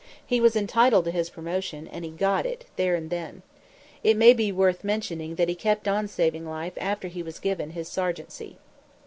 He was entitled to his promotion; and he got it, there and then. It may be worth mentioning that he kept on saving life after he was given his sergeantcy.